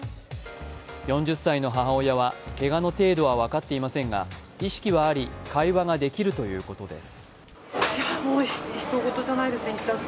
４０歳の母親はけがの程度は分かっていませんが意識はあり、会話ができるということです。